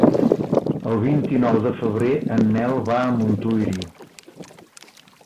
El vint-i-nou de febrer en Nel va a Montuïri.